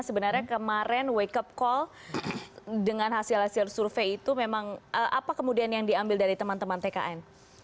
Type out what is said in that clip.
sebenarnya kemarin wake up call dengan hasil hasil survei itu memang apa kemudian yang diambil dari teman teman tkn